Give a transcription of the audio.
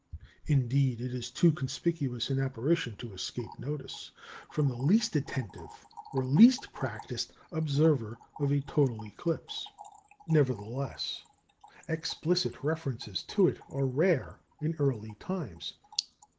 Indeed, it is too conspicuous an apparition to escape notice from the least attentive or least practised observer of a total eclipse. Nevertheless, explicit references to it are rare in early times.